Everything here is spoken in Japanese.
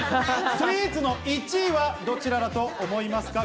スイーツの１位はどちらだと思いますか？